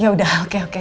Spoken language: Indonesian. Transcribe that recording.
yaudah oke oke